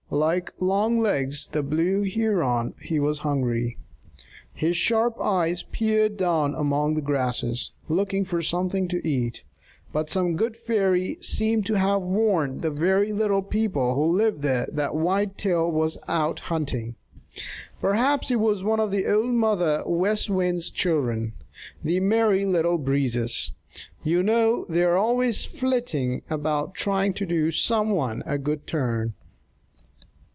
Like Longlegs the Blue Heron, he was hungry. His sharp eyes peered down among the grasses, looking for something to eat, but some good fairy seemed to have warned the very little people who live there that Whitetail was out hunting. Perhaps it was one of Old Mother West Wind's children, the Merry Little Breezes. You know they are always flitting about trying to do some one a good turn.